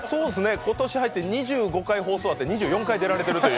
今年に入って２５回放送あって２４回出られているという。